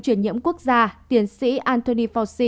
truyền nhiễm quốc gia tiến sĩ anthony fauci